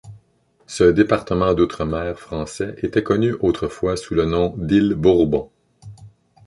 Ce département d'outre-mer français était connu autrefois sous le nom d'île Bourbon.